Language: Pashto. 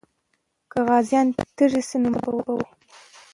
که غازیان تږي سي، نو ماتې به وخوري.